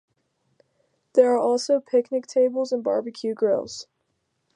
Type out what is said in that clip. There are also picnic tables and barbecue grills.